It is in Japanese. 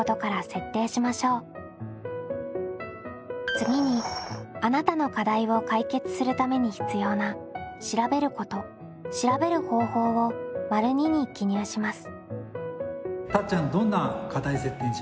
次にあなたの課題を解決するために必要な「調べること」「調べる方法」を②に記入します。